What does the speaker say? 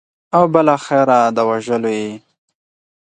او بالاخره د وژلو یې.